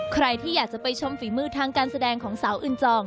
ใครที่อยากจะไปชมฝีมือทางการแสดงของสาวอื่นจอง